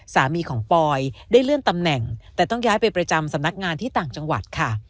สามีของปอยได้เลื่อนตำแหน่งแต่ต้องย้ายไปประจำสำนักงานที่ต่างจังหวัดค่ะ